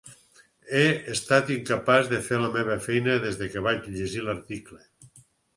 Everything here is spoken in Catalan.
He estat incapaç de fer la meva feina des que vaig llegir l'article.